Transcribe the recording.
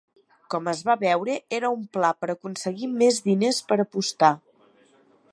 Com es va veure, era un pla per aconseguir més diners per apostar.